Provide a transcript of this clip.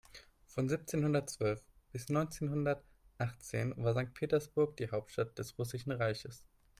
Von siebzehnhundertzwölf bis neunzehnhundertachtzehn war Sankt Petersburg die Hauptstadt des Russischen Reichs.